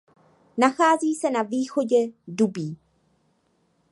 Nachází se na východě Dubí.